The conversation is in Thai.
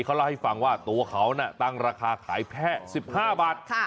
เขาเล่าให้ฟังว่าตัวเขาตั้งราคาขายแค่๑๕บาท